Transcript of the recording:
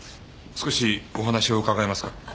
少しお話を伺えますか？